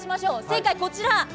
正解こちら。